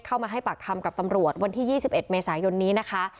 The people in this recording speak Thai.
เข้ามาให้ปากคำกับตำรวจวันที่๒๑เมษายนนี้นะคะ